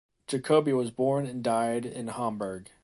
Jacobi was born and died in Hamburg.